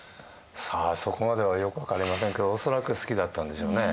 さあそこまではよく分かりませんけど恐らく好きだったんでしょうね。